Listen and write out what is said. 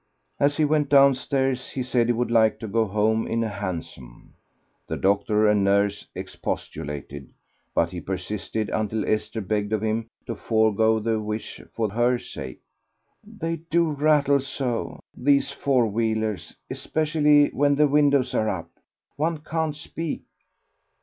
As he went downstairs he said he would like to go home in a hansom. The doctor and nurse expostulated, but he persisted until Esther begged of him to forego the wish for her sake. "They do rattle so, these four wheelers, especially when the windows are up. One can't speak."